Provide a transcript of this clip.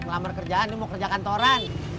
ngelamar kerjaan dia mau kerja kantoran